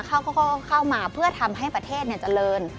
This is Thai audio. เข้ามาเพื่อทำให้ประเทศเนี่ยเจริญ